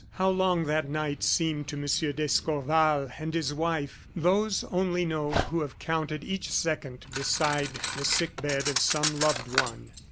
How long that night seemed to M. d'Escorval and his wife, those only know who have counted each second beside the sick bed of some loved one.